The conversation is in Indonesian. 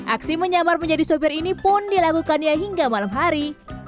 aksi menyamar menjadi sopir ini pun dilakukannya hingga malam hari